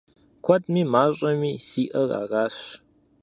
Куэдми мащӏэми сиӏэр аращ.